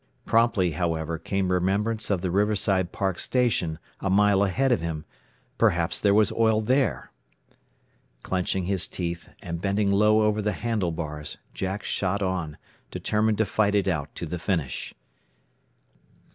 Promptly, however, came remembrance of the Riverside Park station, a mile ahead of him. Perhaps there was oil there! Clenching his teeth, and bending low over the handlebars, Jack shot on, determined to fight it out to the finish.